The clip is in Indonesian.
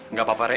gak apa apa rek